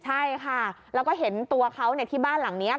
ใช่ค่ะแล้วก็เห็นตัวเขาที่บ้านหลังนี้